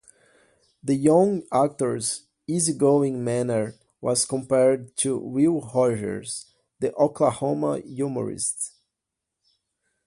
The young actor's easygoing manner was compared to Will Rogers, the Oklahoma humorist.